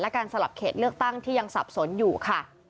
การสลับเขตเลือกตั้งที่ยังสับสนอยู่ค่ะ